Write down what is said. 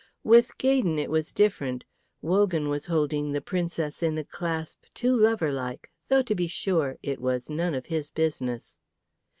With Gaydon it was different. Wogan was holding the Princess in a clasp too loverlike, though, to be sure, it was none of his business.